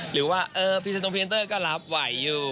หรือว่าพรีเซนงเพนเตอร์ก็รับไหวอยู่